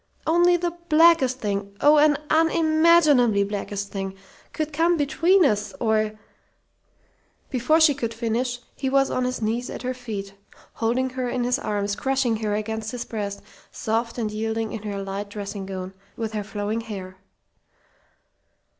Only the blackest thing oh, an unimaginably blackest thing! could come between us, or " Before she could finish, he was on his knees at her feet, holding her in his arms, crushing her against his breast, soft and yielding in her light dressing gown, with her flowing hair.